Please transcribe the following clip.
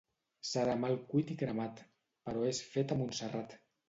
Serà mal cuit i cremat, però és fet a Montserrat.